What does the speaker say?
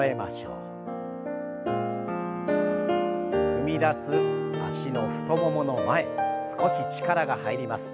踏み出す脚の太ももの前少し力が入ります。